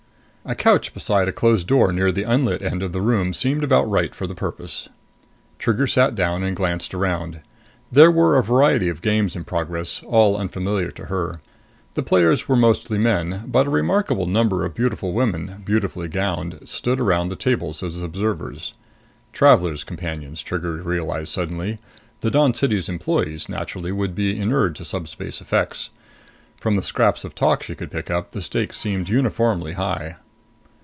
A couch beside a closed door near the unlit end of the room seemed about right for the purpose. Trigger sat down and glanced around. There were a variety of games in progress, all unfamiliar to her. The players were mostly men, but a remarkable number of beautiful women, beautifully gowned, stood around the tables as observers. Traveler's Companions, Trigger realized suddenly the Dawn City's employees naturally would be inured to subspace effects. From the scraps of talk she could pick up, the stakes seemed uniformly high.